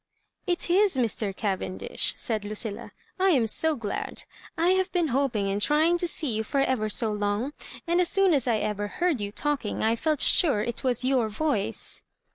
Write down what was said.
" It is Mr. Cavendish," said Lucilla; "I am bo glad ; I have been hoping and trying to see you for ever so long ; and as soon as ever I heard you talking I felt sure it was your voice."